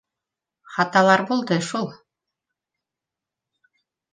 Хаталар булды шул